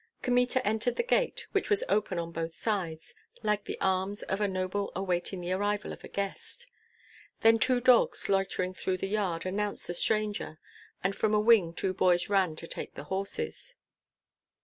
Kmita entered the gate, which was open on both sides; like the arms of a noble awaiting the arrival of a guest. Then two dogs loitering through the yard announced the stranger, and from a wing two boys ran to take the horses.